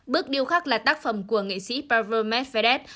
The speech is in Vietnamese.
bước điêu khắc là tác phẩm của nghệ sĩ paver medvedev